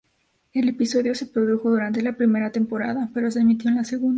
El episodio se produjo durante la primera temporada, pero se emitió en la segunda.